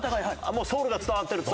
もうソウルが伝わってると。